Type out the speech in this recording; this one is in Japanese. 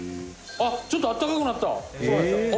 「あっ、ちょっとあったかくなった」